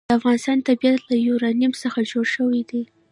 د افغانستان طبیعت له یورانیم څخه جوړ شوی دی.